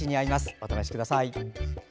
お試しください。